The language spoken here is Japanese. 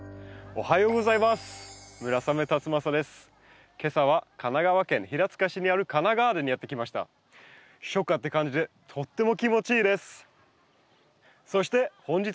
おはようございます。